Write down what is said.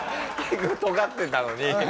とがってたのに。